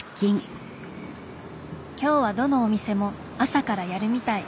今日はどのお店も朝からやるみたい。